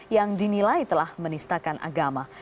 yang dinilai telah menistakan agama